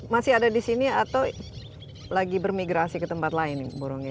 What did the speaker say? masih ada di sini atau lagi bermigrasi ke tempat ini